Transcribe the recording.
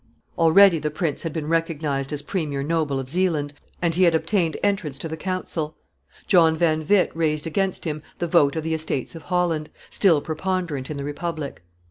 Already the prince had been recognized as premier noble of Zealand, and he had obtained entrance to the council; John van Witt raised against him the vote of the Estates of Holland, still preponderant in the republic.